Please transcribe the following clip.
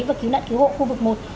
và cứu nạn cứu hộ khu vực một